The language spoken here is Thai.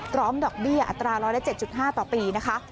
ดอกเบี้ยอัตรา๑๐๗๕ต่อปีนะคะ